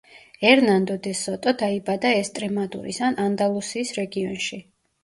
ერნანდო დე სოტო დაიბადა ესტრემადურის ან ანდალუსიის რეგიონში.